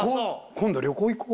今度旅行行こう。